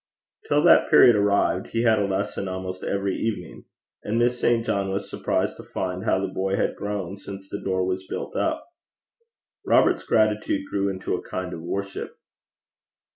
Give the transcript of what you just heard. Till that period arrived, he had a lesson almost every evening, and Miss St. John was surprised to find how the boy had grown since the door was built up. Robert's gratitude grew into a kind of worship.